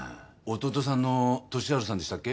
弟さんの利治さんでしたっけ？